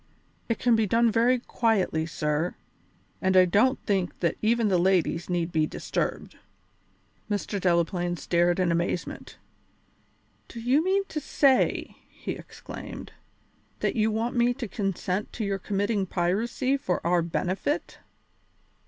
It can be done very quietly, sir, and I don't think that even the ladies need be disturbed." Mr. Delaplaine stared in amazement. "Do you mean to say," he exclaimed, "that you want me to consent to your committing piracy for our benefit?"